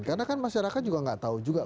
karena kan masyarakat juga gak tau juga